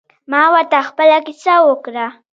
ما ورته خپله کیسه وکړه.